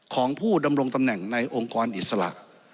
ของผู้ดำรงตำแหน่งในองค์กรอิสระ